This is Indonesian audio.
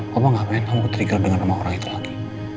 kau mah gak pengen ketrigger dengan nama orang itu lagi